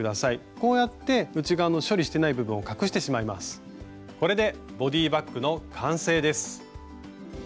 これでボディーバッグの完成です。